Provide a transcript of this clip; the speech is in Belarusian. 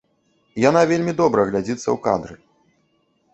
Яна вельмі добра глядзіцца ў кадры.